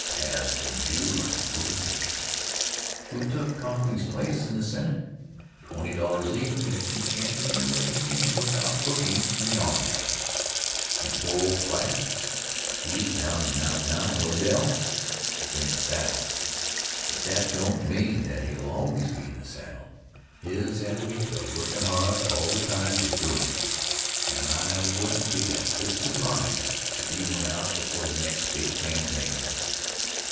Passed from view like a movin' picture. Who took Conkling's place in the Senate? Twenty dollars even that you can't remember his name without looking in the almanac. And poor old Plattt He's down and out now and Odell is in the saddle, but that don't mean that he'll always be in the saddle. His enemies are workin' hard all the time to do him, and I wouldn't be a bit surprised if he went out before the next State campaign.